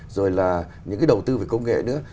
rồi là những cái đầu tư về công nghệ nữa